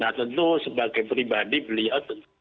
nah tentu sebagai pribadi beliau tentu